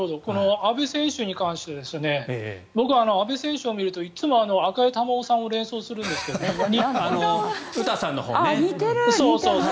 阿部選手に関して僕は阿部選手を見るといつも赤江珠緒さんを詩さんのほうね。